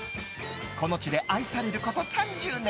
この地で愛されること３０年。